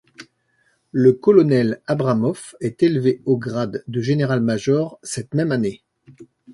Le colonel Abramov est élevé au grade de général-major cette même année.